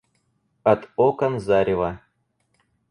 От окон зарево.